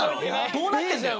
どうなってんだよ。